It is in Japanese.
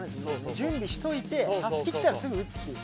準備しといてたすききたらすぐ打つっていう。